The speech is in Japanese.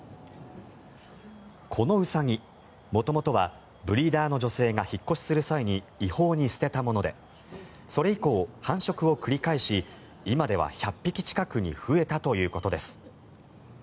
このウサギ、元々はブリーダーの女性が引っ越しする際に違法に捨てたものでそれ以降、繁殖を繰り返し今では１００匹近くに増えたということです。